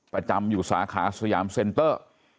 ประจำอยู่สาขาสยามเซ็นเตอร์